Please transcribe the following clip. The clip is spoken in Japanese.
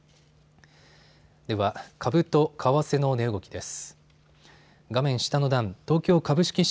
では、株と為替の値動きです。